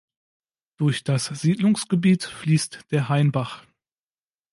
Durch das Siedlungsgebiet fließt der Hainbach.